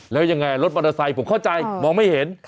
แล้วยังไงรถมอเตอร์ไซค์ผมเข้าใจมองไม่เห็น